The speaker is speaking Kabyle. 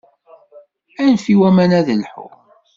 Anef i waman ad lḥun.